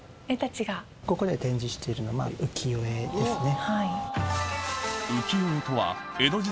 ここで展示しているのは。ですね。